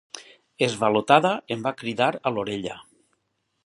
Esvalotada, em va cridar a l'orella.